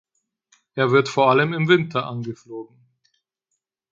Er wird vor allem im Winter angeflogen.